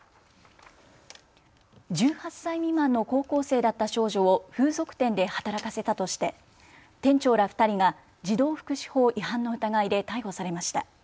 １８歳未満の高校生だった少女を風俗店で働かせたとして店長ら２人が児童福祉法違反の疑いで逮捕されました。